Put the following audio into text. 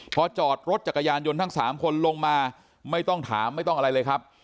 พอจอดรถจักรยานยนต์ทั้ง๓คนลงมาไม่ต้องถามไม่ต้องอะไรเลยครับ